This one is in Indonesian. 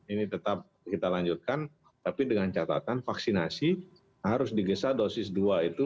ini tetap kita lanjutkan tapi dengan catatan vaksinasi harus digesa dosis dua itu